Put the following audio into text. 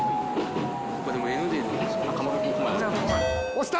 押した！